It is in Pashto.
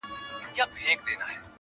څلور پښې يې نوري پور كړې په ځغستا سوه!.